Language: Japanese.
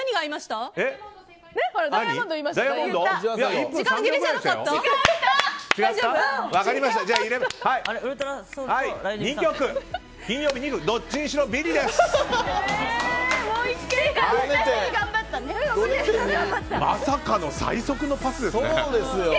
まさかの最速のパスですね。